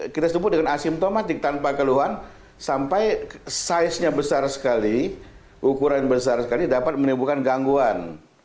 kita sebut dengan asimptomatik tanpa keluhan sampai size nya besar sekali ukuran besar sekali dapat menimbulkan gangguan